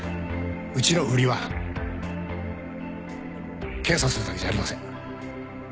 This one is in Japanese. うちの売りは検査をするだけじゃありません